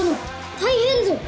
大変ぞ！